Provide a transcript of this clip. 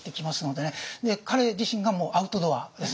で彼自身がもうアウトドアです。